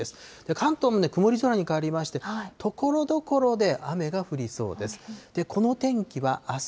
関東も曇り空に変わりまして、ところどころで雨が降りそうです。